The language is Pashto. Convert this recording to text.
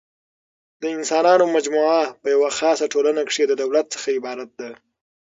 د انسانانو مجموعه په یوه خاصه ټولنه کښي د دولت څخه عبارت ده.